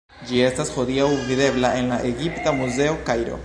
Ĝi estas hodiaŭ videbla en la Egipta Muzeo, Kairo.